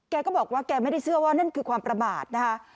แกก็บอกว่าแกไม่ได้เชื่อว่านั่นคือความประมาทนะคะ